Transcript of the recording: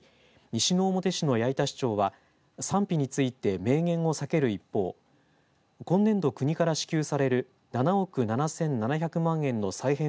西之表市の八板市長は賛否について明言を避ける一方今年度、国から支給される７億７７００万円の再編